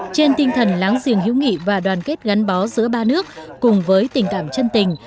trên tinh thần láng giềng hữu nghị và đoàn kết gắn bó giữa ba nước cùng với tình cảm chân tình